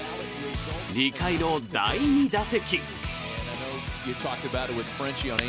２回の第２打席。